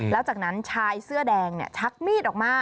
แล้วจากนั้นชายเสื้อแดงชักมีดออกมา